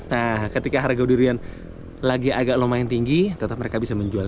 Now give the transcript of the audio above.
nah ketika harga durian lagi agak lumayan tinggi tetap mereka bisa menjual